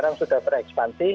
sekarang sudah berekspansi